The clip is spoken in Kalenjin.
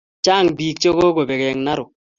Chang pik che kokobek en Narok